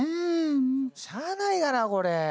しゃあないがなこれ。